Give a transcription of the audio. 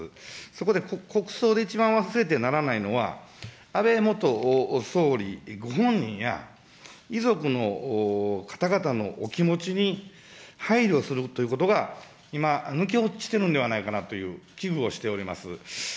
そこで国葬で一番忘れてならないのは、安倍元総理ご本人や、遺族の方々のお気持ちに配慮するということが今、抜け落ちているんではないかなというふうに危惧をしております。